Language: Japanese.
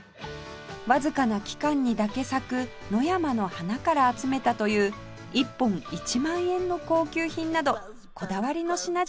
わずかな期間にだけ咲く野山の花から集めたという１本１万円の高級品などこだわりの品々が並びます